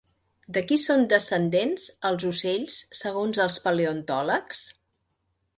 De qui són descendents els ocells segons els paleontòlegs?